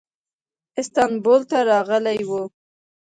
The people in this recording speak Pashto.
استانبول ته راغلی و.